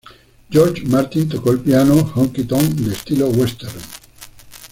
George Martin tocó el piano honky tonk de estilo western.